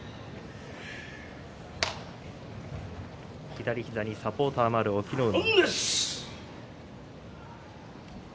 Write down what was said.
左膝にサポーターがある隠岐の海。